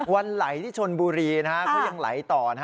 วันไหลที่ชนบุรีค่ะก็ยังไหลต่อนะครับ